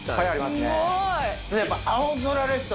すごい。